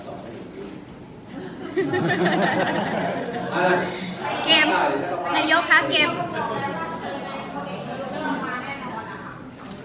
ณโยกคะเก้ม